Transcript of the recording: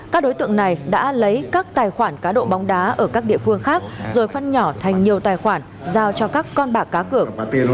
các đối tượng này đã lấy các tài khoản cá độ bóng đá ở các địa phương khác rồi phân nhỏ thành nhiều tài khoản giao cho các con bạc cá cược